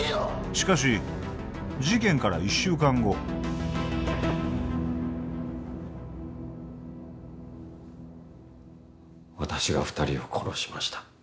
しかし事件から一週間後私が二人を殺しました